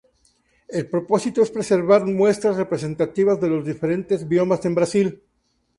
El propósito es preservar muestras representativas de los diferentes biomas en Brasil.